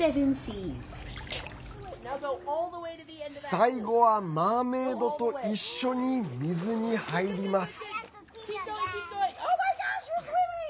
最後はマーメードと一緒に水に入ります。